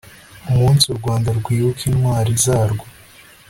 umunsi u rwanda rwibuka intwari zarwo